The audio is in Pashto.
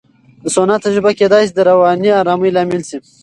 د سونا تجربه کېدای شي د رواني آرامۍ لامل شي.